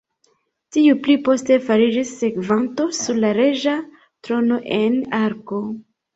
Tiu pli poste fariĝis sekvanto sur la reĝa trono en Argo.